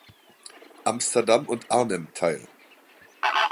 Amsterdam und Arnhem teil.